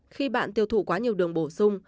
khi bạn tiêu thụ quá nhiều đường bổ sung